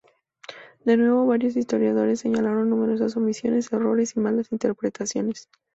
De nuevo varios historiadores señalaron numerosas omisiones, errores y malas interpretaciones.